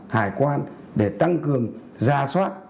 hải quan để tăng cường ra soát